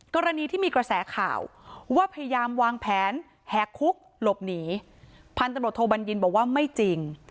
กรณีที่มีกระแสข่าวว่าพยายามวางแผนแหกคุกหลบหนีพันธุ์ตำรวจโทบัญญินบอกว่าไม่จริง